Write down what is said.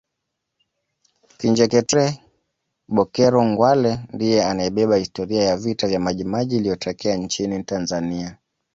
Kinjekitile Bokero Ngwale ndiye anayebeba historia ya vita vya majimaji iliyotokea nchini Tanzania